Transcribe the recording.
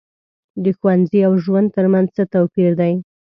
د ښوونځي او ژوند تر منځ څه توپیر دی.